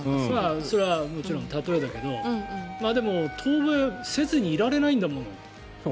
それはもちろん例えだけどでも、遠ぼえせずにいられないんだもの。